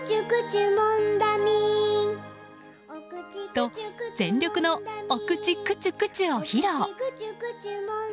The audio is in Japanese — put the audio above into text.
と、全力のお口クチュクチュを披露。